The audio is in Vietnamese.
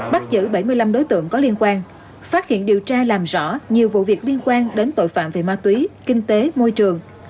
bắt giữ bảy mươi năm đối tượng có liên quan phát hiện điều tra làm rõ nhiều vụ việc liên quan đến tội phạm về ma túy kinh tế môi trường